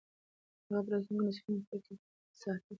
هغه د راتلونکو نسلونو فکر ساته.